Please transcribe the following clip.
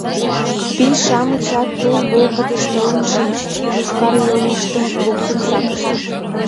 Пий-шамычат тул волгыдыш толын шинчыч, йошкар йылмыштым луктын сакышт.